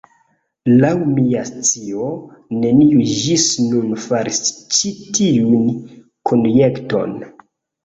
Laŭ mia scio, neniu ĝis nun faris ĉi tiun konjekton.